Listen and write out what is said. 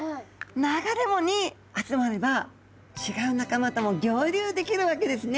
流れ藻に集まれば違う仲間とも合流できるわけですね。